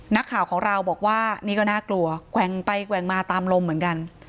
นักข่าวของเราบอกว่านี่ก็น่ากลัวแกว่งไปแกว่งมาตามลมเหมือนกัน